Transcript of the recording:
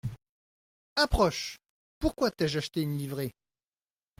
Approche ! pourquoi t’ai-je acheté une livrée ?